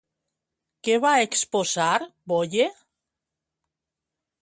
Què va exposar Boye?